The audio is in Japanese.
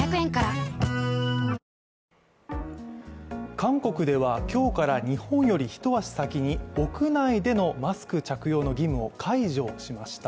韓国では今日から日本より一足先に屋内でのマスク着用の義務を解除しました。